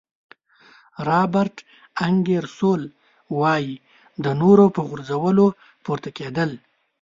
رابرټ انګیرسول وایي د نورو په غورځولو پورته کېدل.